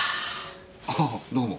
ああどうも。